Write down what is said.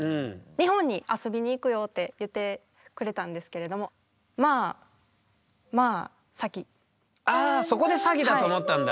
「日本に遊びに行くよ」って言ってくれたんですけれどもまあまああそこで詐欺だと思ったんだ。